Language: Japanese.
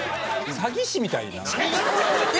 詐欺師みたいなんか。